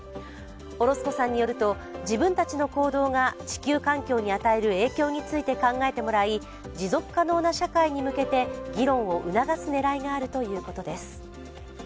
オロスコさんによると、自分たちの行動が地球環境に与える影響について考えてもらい、持続可能な社会に向けて議論を促す狙いがあるということです。